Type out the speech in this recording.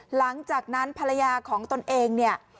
หลังจากนั้นภรรยาของตนเองเนี่ย